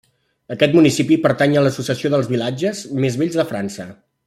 Aquest municipi pertany a l'associació Els vilatges més bells de França.